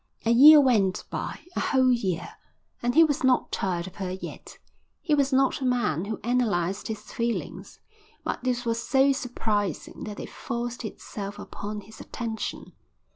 A year went by, a whole year, and he was not tired of her yet. He was not a man who analysed his feelings, but this was so surprising that it forced itself upon his attention.